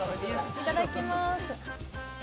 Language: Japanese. いただきます。